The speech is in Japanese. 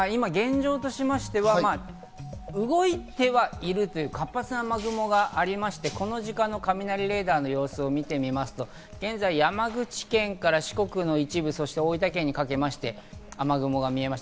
現状としましては動いてはいるという活発な雨雲がありまして、この時間の雷データの様子を見てみますと、現在山口県から四国の一部、そして大分県にかけまして雨雲が見えます。